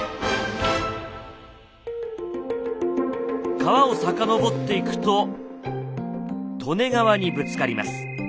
川を遡っていくと利根川にぶつかります。